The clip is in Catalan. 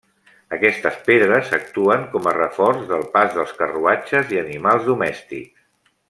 Aquestes pedres actuen com a reforç pel pas dels carruatges i animals domèstics.